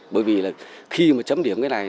bởi vì là khi mà chấm điểm cái này